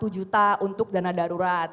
satu juta untuk dana darurat